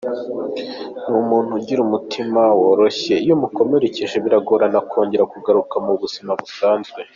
Ni umuntu ugira umutima woroshye, iyo umukomerekeje biragorana kongera kugaruka mu buzima busanzwe.